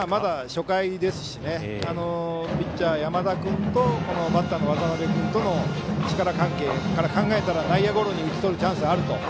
初回ですしピッチャー山田君とバッターの渡邊君との力関係を考えたら内野ゴロに打ち取るチャンスがあると。